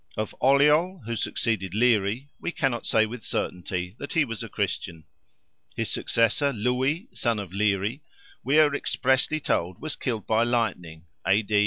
Of OLLIOL, who succeeded Leary, we cannot say with certainty that he was a Christian. His successor, LEWY, son of Leary, we are expressly told was killed by lightning (A.D.